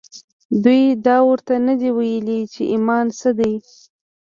دوی دا ورته نه دي ویلي چې ایمان څه دی